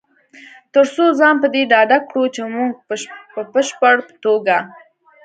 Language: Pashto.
تر څو ځان په دې ډاډه کړو چې مونږ په بشپړ توګه